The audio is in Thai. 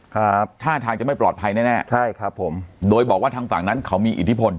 ครับท่าทางจะไม่ปลอดภัยแน่แน่ใช่ครับผมโดยบอกว่าทางฝั่งนั้นเขามีอิทธิพล